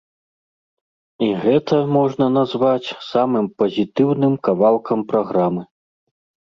І гэта можна назваць самым пазітыўным кавалкам праграмы.